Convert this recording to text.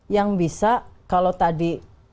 yang bisa kalau tadi